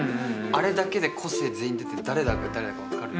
あれだけで個性全員出てて誰だか分かる・